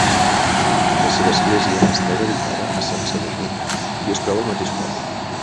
La seva església està dedicada a Sant Sadurní i es troba al mateix poble.